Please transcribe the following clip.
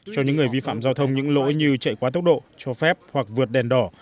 cho những người vi phạm giao thông những lỗi như chạy quá tốc độ cho phép hoặc vượt đèn đỏ